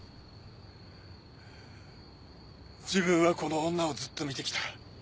自分はこの女をずっと見てきた。